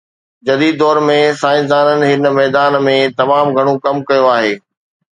جديد دور ۾ سائنسدانن هن ميدان ۾ تمام گهڻو ڪم ڪيو آهي